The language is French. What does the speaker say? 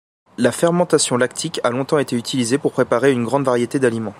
La fermentation lactique a longtemps été utilisée pour préparer une grande variété d'aliments.